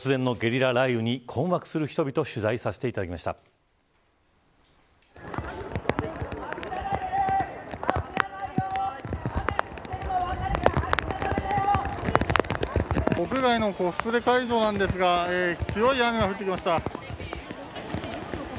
突然のゲリラ雷雨に困惑する人々を屋外のコスプレ会場なんですが強い雨が降ってきました。